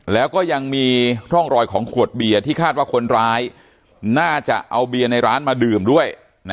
แล้วก็ยังมีร่องรอยของขวดเบียร์ที่คาดว่าคนร้ายน่าจะเอาเบียร์ในร้านมาดื่มด้วย